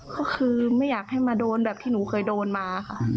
ก็คือไม่อยากให้มาโดนแบบที่หนูเคยโดนมาค่ะ